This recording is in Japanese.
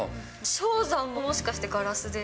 象山ももしかしてガラスで？